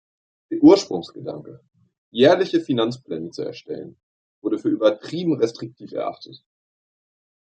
Der Ursprungsgedanke, jährliche Finanzpläne zu erstellen, wurde für übertrieben restriktiv erachtet.